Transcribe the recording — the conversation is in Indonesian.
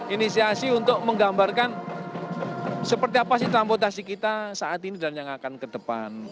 inisiasi untuk menggambarkan seperti apa sih transportasi kita saat ini dan yang akan ke depan